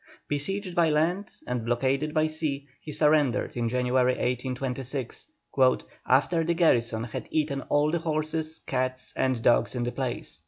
Besieged by land and blockaded by sea, he surrendered in January, 1826, "after the garrison had eaten all the horses, cats, and dogs in the place."